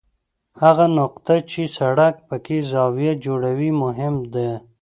هغه نقطه چې سړک پکې زاویه جوړوي مهم ده